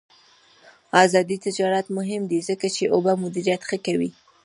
آزاد تجارت مهم دی ځکه چې اوبه مدیریت ښه کوي.